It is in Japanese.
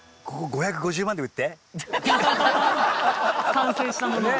完成したものを？